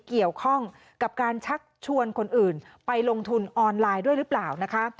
เกี่ยวข้องกับการชักชวนคนอื่นไปลงทุนออนไลน์ด้วยหรือเปล่านะคะ